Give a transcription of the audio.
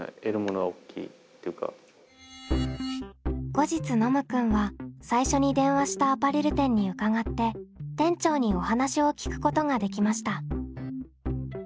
後日ノムくんは最初に電話したアパレル店に伺って店長にお話を聞くことができました。